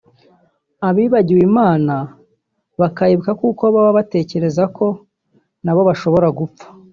abibagiwe Imana bakayibuka kuko baba batekereza ko nabo bashobora gupfa